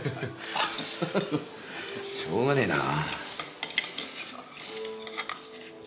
ハハハしょうがねえな。